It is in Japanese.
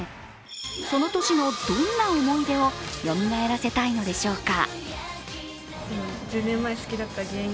その年のどんな思い出をよみがえらせたいのでしょうか。